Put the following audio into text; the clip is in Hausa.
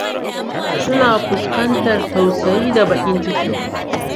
Suna fuskantar tausayi da bakin ciki.